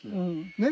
ねっ？